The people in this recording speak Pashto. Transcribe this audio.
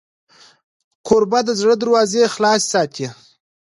کوربه د زړه دروازې خلاصې ساتي.